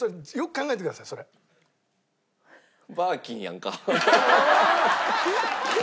バーキンやんか。